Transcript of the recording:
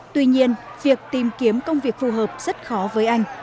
tuy nhiên việc tìm kiếm công việc phù hợp rất khó với anh